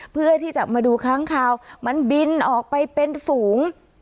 เพื่อที่จะมาดูค้างคาวมันบินออกไปเป็นฝูง